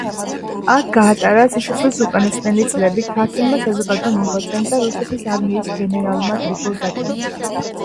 აქ გაატარა სიცოცხლის უკანასკნელი წლები ქართველმა საზოგადო მოღვაწემ და რუსეთის არმიის გენერალმა გრიგოლ დადიანმა.